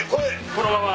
このまま。